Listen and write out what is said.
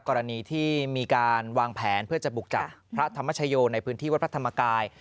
กรณีที่มีการวางแผนเพื่อจะบุกจับพระธรรมชโยในพื้นที่วัดพระธรรมกาย